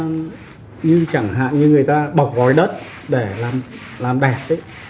như chẳng hạn như người ta bọc gói đất để làm bẹt đấy